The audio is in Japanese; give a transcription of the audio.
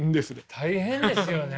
大変ですよね。